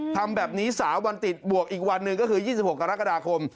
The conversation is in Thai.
ทำแบบนี้๓วันติดบวกอีกวันหนึ่งก็คือ๒๖กรกฎาคม